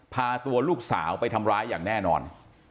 พาตัวลูกสาวไปทำร้ายอย่างแน่นอน